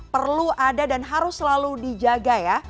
perlu ada dan harus selalu dijaga ya